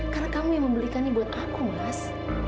karena kamu yang membelikannya buat aku mas